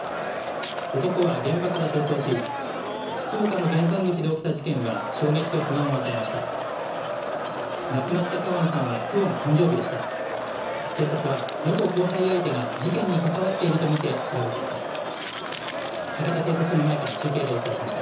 男は現場から逃走し、福岡の玄関口で起きた事件は衝撃と不安を与えました。